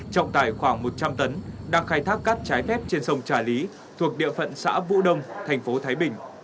trọng tải khoảng một trăm linh tấn đang khai thác cát trái phép trên sông trà lý thuộc địa phận xã vũ đông thành phố thái bình